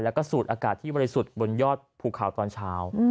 แล้วก็สูดอากาศที่บริสุทธิ์บนยอดภูเขาตอนเช้า